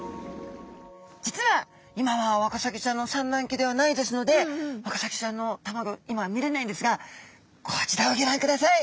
実は今はワカサギちゃんの産卵期ではないですのでワカサギちゃんのたまギョ今見れないんですがこちらをギョ覧ください。